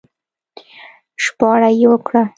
ژباړه يې وکړه